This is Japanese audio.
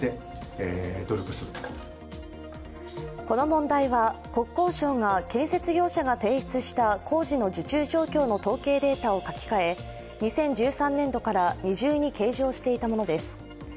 この問題は、国交省が建設業者が提出した工事の受注状況の統計データを書き換え２０１３年度から二重に計上していたものです。